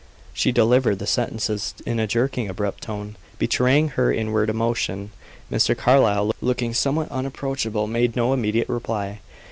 She delivered the sentences in a jerking, abrupt tone, betraying her inward emotion. Mr. Carlyle, looking somewhat unapproachable, made no immediate reply.